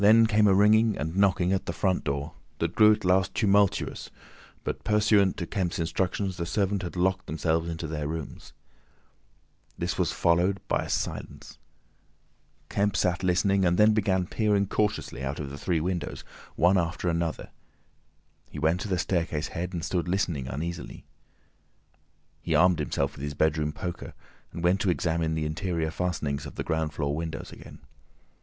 Then came a ringing and knocking at the front door, that grew at last tumultuous, but pursuant to Kemp's instructions the servants had locked themselves into their rooms. This was followed by a silence. Kemp sat listening and then began peering cautiously out of the three windows, one after another. He went to the staircase head and stood listening uneasily. He armed himself with his bedroom poker, and went to examine the interior fastenings of the ground floor windows again.